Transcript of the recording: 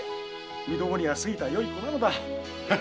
身共には過ぎたよい子なのだ。